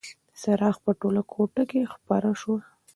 څراغ په ټوله کوټه کې خپره شوه.